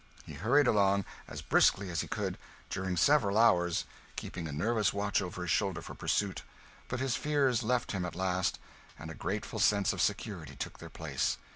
He hurried along, as briskly as he could, during several hours, keeping a nervous watch over his shoulder for pursuit; but his fears left him at last, and a grateful sense of security took their place.